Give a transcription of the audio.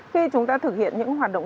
khi chúng ta thực hiện những hoạt động